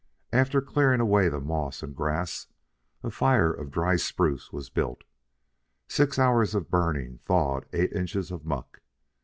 After clearing away the moss and grass, a fire of dry spruce was built. Six hours of burning thawed eight inches of muck.